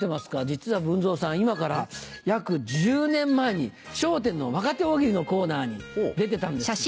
実は文蔵さん今から約１０年前に『笑点』の若手大喜利のコーナーに出てたんですよ。